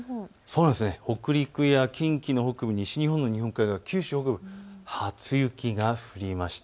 北陸や近畿の北部、西日本の日本海側、九州北部、初雪が降りました。